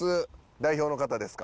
代表の方ですか？